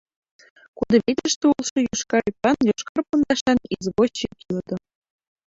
— кудывечыште улшо йошкар ӱпан, йошкар пондашан извозчик йодо.